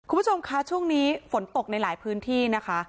คุณผู้ชมคะช่วงนี้ฝนตกในหลายพื้นที่นะคะ